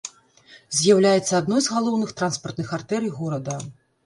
З'яўляецца адной з галоўных транспартных артэрый горада.